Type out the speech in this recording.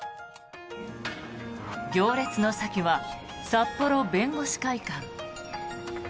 行列の先は札幌弁護士会館。